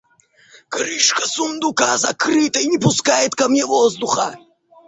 Крышка сундука закрыта и не пускает ко мне воздуха.